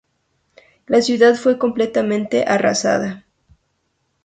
La ciudad fue completamente arrasada.